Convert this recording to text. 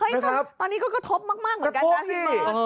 เฮ้ยตอนนี้ก็กระทบมากเหมือนกันนะที่มัน